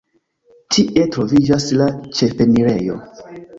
Tie troviĝas la ĉefenirejo.